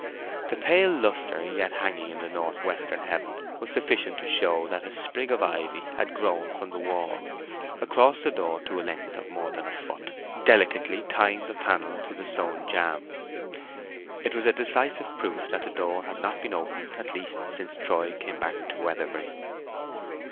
The pale lustre yet hanging in the north western heaven was sufficient to show that a sprig of ivy had grown from the wall across the door to a length of more than a foot, delicately tying the panel to the stone jamb. It was a decisive proof that the door had not been opened at least since Troy came back to Weatherbury.